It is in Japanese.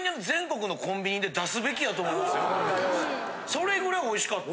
それぐらいおいしかった。